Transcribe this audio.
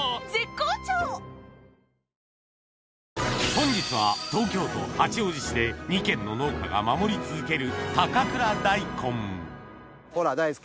本日は東京都八王子市で２軒の農家が守り続ける高倉ダイコンほら大輔。